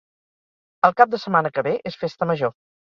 El cap de setmana que ve és festa major.